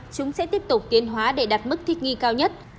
chúng sẽ tiếp tục tiến hóa để đạt mức thích nghi cao nhất